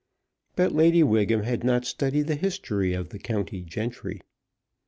But Lady Wiggham had not studied the history of the county gentry.